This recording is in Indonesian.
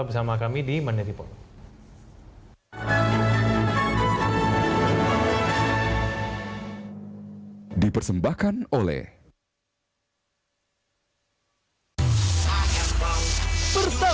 bersama kami di manei report